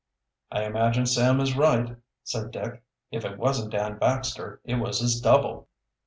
"I imagine Sam is right," said Dick. "If it wasn't Dan Baxter it was his double."